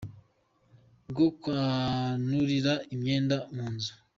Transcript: Rwo kwanurira imyenda mu nzu.